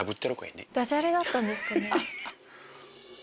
ダジャレだったんですかね。